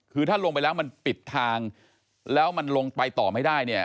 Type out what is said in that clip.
คือถ้าลงไปแล้วมันปิดทางแล้วมันลงไปต่อไม่ได้เนี่ย